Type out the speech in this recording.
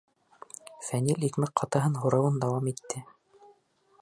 -Фәнил икмәк ҡатыһын һурыуын дауам итте.